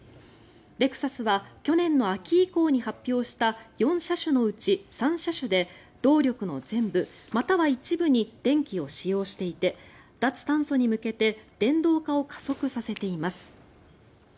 レクサスは去年の秋以降に発表した４車種のうち３車種で動力の全部または一部に電気を使用していて脱炭素に向けて電動化を加速させています。